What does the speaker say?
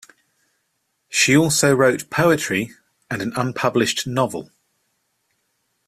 She also wrote poetry and an unpublished novel.